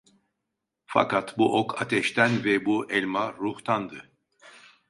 Fakat bu ok ateşten ve bu elma ruhtandı.